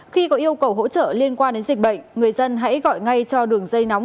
khi có yêu cầu hỗ trợ liên quan đến dịch bệnh người dân hãy gọi ngay cho đường dây nóng